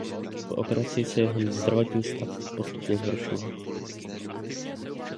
Po operaci se jeho zdravotní stav postupně zhoršoval.